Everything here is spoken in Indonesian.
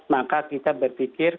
maka kita berpikir